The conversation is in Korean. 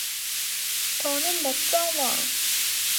더는 못 참아!